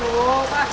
gue mau ke rumah